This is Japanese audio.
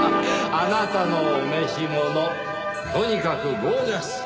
あなたのお召し物とにかくゴージャス。